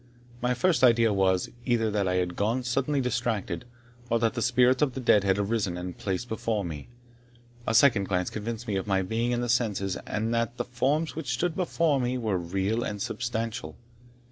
My first idea was, either that I had gone suddenly distracted, or that the spirits of the dead had arisen and been placed before me. A second glance convinced me of my being in my senses, and that the forms which stood before me were real and substantial.